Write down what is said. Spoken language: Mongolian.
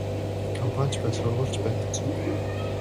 Компани ч бай сургууль ч бай хэцүү.